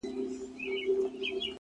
• دا د نحوي قصیدې د چا په ښه دي,